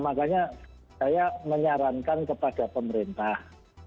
makanya saya menyarankan kepada pemerintah